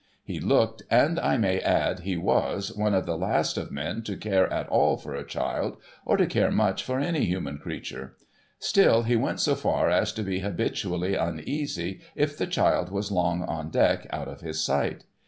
He looked, and I may add, he was, one of the last of men to care at all for a child, or to care much for any human creature. Still, he went so far as to be habitually uneasy, if the child was long on deck, out of his sight.